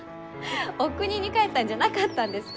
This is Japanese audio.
おくにに帰ったんじゃなかったんですか？